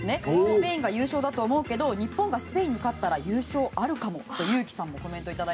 スペインが優勝だと思うけど日本がスペインに勝ったら優勝あるかもといただきました。